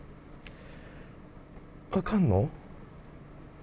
分かんの？